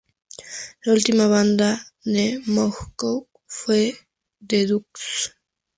La última banda de McCulloch fue The Dukes.